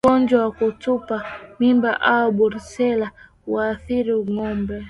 Ugonjwa wa kutupa mimba au Brusela huathiri ngombe